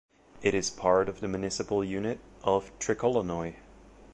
It is part of the municipal unit of Trikolonoi.